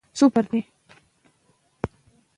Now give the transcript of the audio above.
هنرمندانو د امید په اړه اثار جوړ کړي دي.